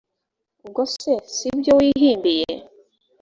ubwose sibyo wihimbiye?